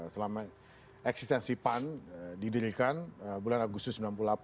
selama eksistensi pan didirikan bulan agustus sembilan puluh delapan